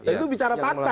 itu bicara fakta